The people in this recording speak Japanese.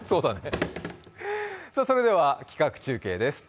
それでは企画中継です。